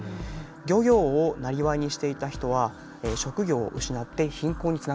漁業をなりわいにしていた人は職業を失って貧困につながってしまうと。